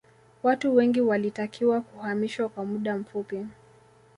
watu wengi walitakiwa kuhamishwa kwa muda mfupi